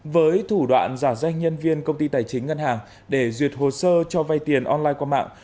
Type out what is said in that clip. với thủ đoạn giả danh nhân viên công ty tài chính ngân hàng để duyệt hồ sơ cho vay tiền online qua mạng